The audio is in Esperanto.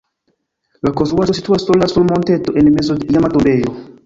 La konstruaĵo situas sola sur monteto en mezo de iama tombejo.